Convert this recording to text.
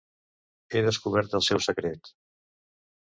He descobert el seu secret.